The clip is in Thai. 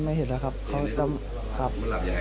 มันนอนอยู่ขารถแล้วครับ